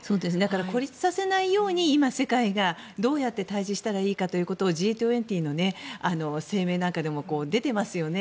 孤立させないように今、世界がどうやって対峙したらいいかということをＧ２０の声明なんかでも出てますよね。